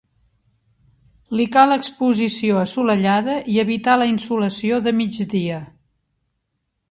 Li cal exposició assolellada i evitar la insolació de migdia.